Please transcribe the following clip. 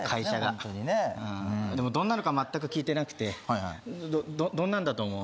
本当にねでもどんなのか全く聞いてなくてどんなんだと思う？